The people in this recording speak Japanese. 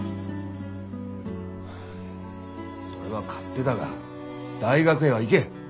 それは勝手だが大学へは行け。